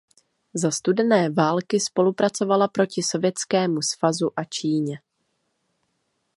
Za studené války spolupracovala proti Sovětskému svazu a Číně.